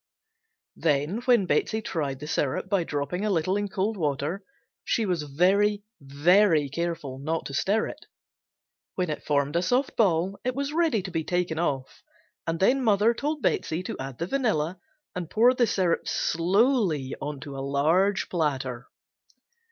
Then when Betsey tried the syrup by dropping a little in cold water she was very, very careful not to stir it. When it formed a soft ball it was ready to be taken off, and then mother told Betsey to add the vanilla and pour the syrup slowly on a large platter.